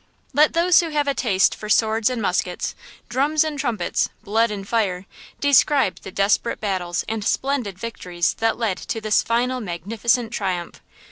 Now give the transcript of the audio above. Let those who have a taste for swords and muskets, drums and trumpets, blood and fire, describe the desperate battles and splendid victories that led to this final magnificent triumph!